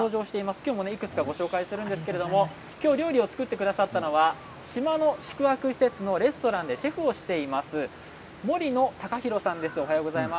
きょうもいくつかご紹介するんですがきょう料理を作ってくださったのは、島の宿泊施設のレストランでシェフをしている森野孝洋さんです。